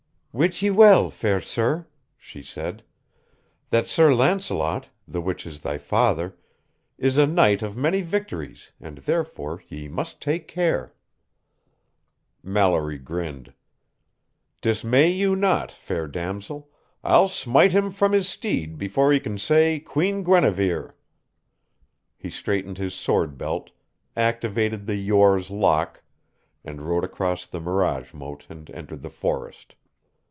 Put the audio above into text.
"Wit ye well, fair sir," she said, "that Sir Launcelot, the which is thy father, is a knight of many victories, and therefore ye must take care." Mallory grinned. "Dismay you not, fair damsel, I'll smite him from his steed before he can say 'Queen Guinevere'." He straightened his sword belt, activated the Yore's lock, and rode across the mirage moat and entered the forest.